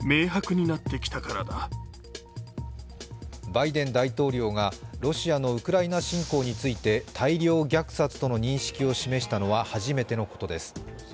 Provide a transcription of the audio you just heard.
バイデン大統領がロシアのウクライナ侵攻について大量虐殺との認識を示したのは初めてのことです。